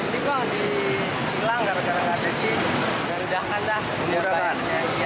memudahkan dah memudahkan